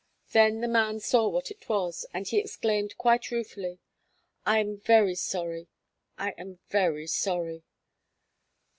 Then the man saw what it was, and he exclaimed quite ruefully: "I am very sorry I am very sorry."